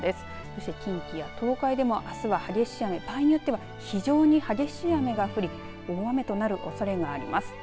そして近畿や東海でもあすは激しい雨、場合によっては非常に激しい雨が降り大雨となるおそれがあります。